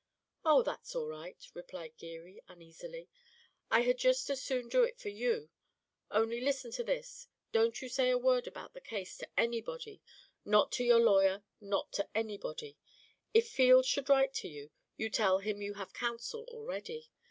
"Oh, that's all right," replied Geary uneasily; "I had just as soon do it for you, only listen to this: don't you say a word about the case to anybody, not to your lawyer, nor to anybody. If Field should write to you, you tell him you have counsel already.